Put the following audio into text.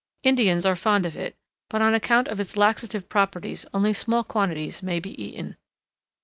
Indians are fond of it, but on account of its laxative properties only small quantities may be eaten.